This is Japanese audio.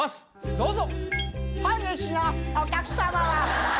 どうぞ。